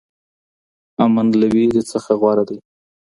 امن له وېرې څخه غوره دی.